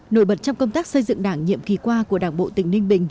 nổi bật trong công tác xây dựng đảng nhiệm kỳ qua của đảng bộ tỉnh ninh bình